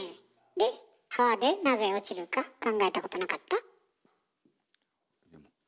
で泡でなぜ落ちるか考えたことなかった？